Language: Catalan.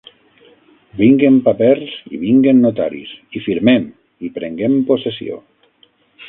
Vinguen papers i vinguen notaris, i firmem, i prenguem possessió